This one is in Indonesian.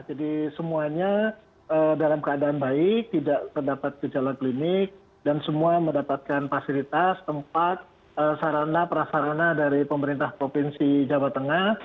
jadi semuanya dalam keadaan baik tidak terdapat gejala klinik dan semua mendapatkan fasilitas tempat sarana prasarana dari pemerintah provinsi jawa tengah